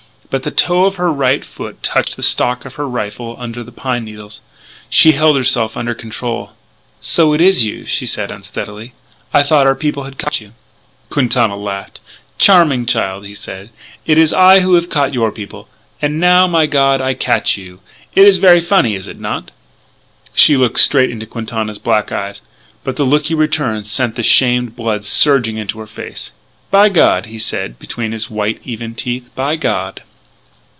But the toe of her right foot touched the stock of her rifle under the pine needles. She held herself under control. "So it's you," she said unsteadily. "I thought our people had caught you." Quintana laughed: "Charming child," he said, "it is I who have caught your people. And now, my God! I catch you!... It is ver' funny. Is it not?" She looked straight into Quintana's black eyes, but the look he returned sent the shamed blood surging into her face. "By God," he said between his white, even teeth, "by God!"